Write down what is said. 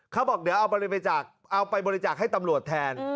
เขาบอกเดี๋ยวเอาไปบริจาคให้ตำรวจแทน